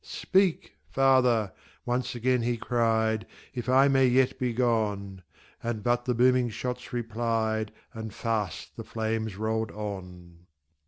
"Speak, father!" once again he cried, "If I may yet be gone!" And but the booming shots replied, And fast the flames rolled on.